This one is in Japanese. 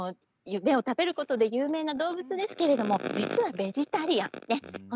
夢を食べることで有名な動物ですけれども実はベジタリアン。